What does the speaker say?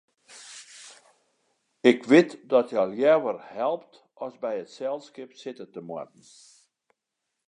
Ik wit dat hja leaver helpt as by it selskip sitte te moatten.